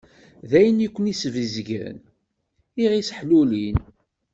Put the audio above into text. D ayen i ken-isbezgen, i ɣ-isseḥlulin.